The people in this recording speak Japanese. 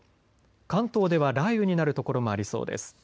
関東では雷雨になる所もありそうです。